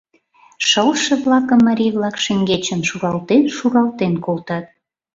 Шылше-влакым марий-влак шеҥгечын шуралтен-шуралтен колтат.